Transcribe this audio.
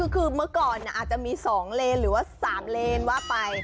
คือเมื่อก่อนอาจจะมี๒เลนหรือว่า๓เลนว่าไป